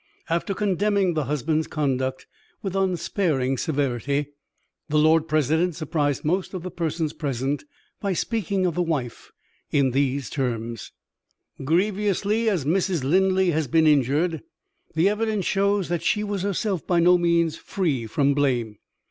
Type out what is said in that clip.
After condemning the husband's conduct with unsparing severity, the Lord President surprised most of the persons present by speaking of the wife in these terms: "Grievously as Mrs. Linley has been injured, the evidence shows that she was herself by no means free from blame.